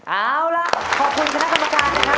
เอาล่ะขอบคุณคณะกรรมการนะครับ